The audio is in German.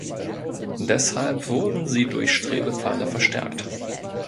Deshalb wurden sie durch Strebepfeiler verstärkt.